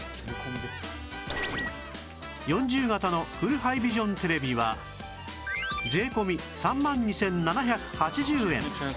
４０型のフルハイビジョンテレビは税込み３万２７８０円